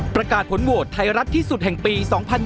ประกาศผลโหวตไทยรัฐที่สุดแห่งปี๒๐๒๐